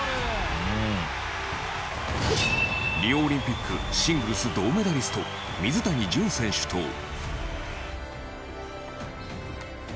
リオオリンピックシングルス銅メダリスト水谷隼選手と。